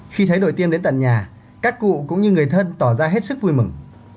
khi thấy đổi tiêm đến tận nhà các cụ cũng như người thân tỏ ra hết sức vui mừng